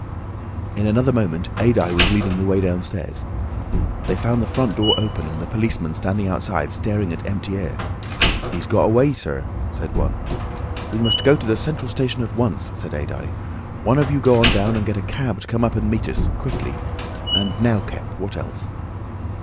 In another moment Adye was leading the way downstairs. They found the front door open and the policemen standing outside staring at empty air. "He's got away, sir," said one. "We must go to the central station at once," said Adye. "One of you go on down and get a cab to come up and meet us—quickly. And now, Kemp, what else?"